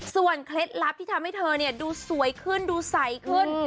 เคล็ดลับที่ทำให้เธอดูสวยขึ้นดูใสขึ้น